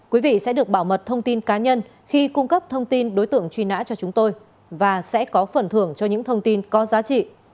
quý vị sẽ được bảo mật thông tin cá nhân khi cung cấp thông tin đối tượng truy nã cho chúng tôi và sẽ có phần thưởng cho những thông tin có giá trị